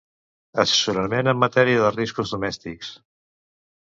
Assessorament en matèria de riscos domèstics.